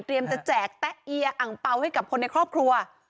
จะแจกแตะเอียอังเปล่าให้กับคนในครอบครัว